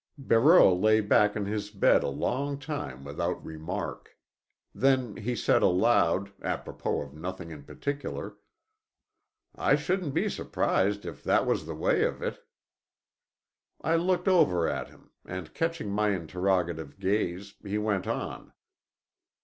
Barreau lay back on his bed a long time without remark. Then he said aloud, apropos of nothing in particular: "I shouldn't be surprised if that was the way of it." I looked over at him, and catching my interrogative gaze, he went on.